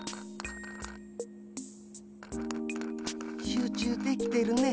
集中できてるね。